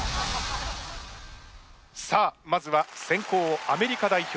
さあまずは先攻アメリカ代表